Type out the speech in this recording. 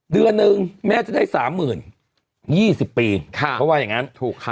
เดือนนึงแม่จะได้๓๐๐๐๐บาท๒๐ปีเพราะว่าอย่างงั้น